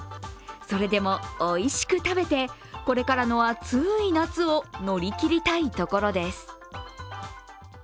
それでも、おいしく食べてこれからの暑い夏を乗り切りたいところです。